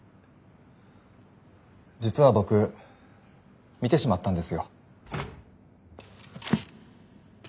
実は僕見てしまったんですよ。